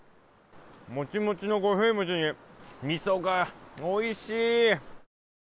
もちもちの五平餅にみそが、おいしい！